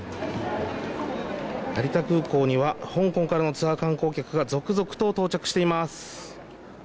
成田空港には香港からのツアー観光客が続々と到着しています。